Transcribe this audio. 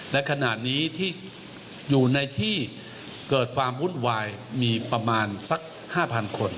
และขณะนี้ที่อยู่ในที่เกิดความวุ่นวายมีประมาณสัก๕๐๐คน